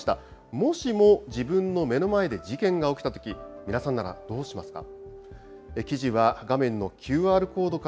もしも自分の目の前で事件が起きたとき、皆さんならどうしますか。